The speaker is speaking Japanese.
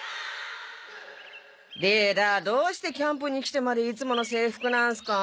リーダーどうしてキャンプに来てまでいつもの制服なんすか？